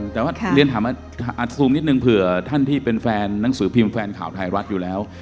แต่ว่าเรียนถามอัดซูมนิดนึงเผื่อท่านที่เป็นแฟนหนังสือพิมพ์แฟนข่าวไทยรัฐอยู่แล้ว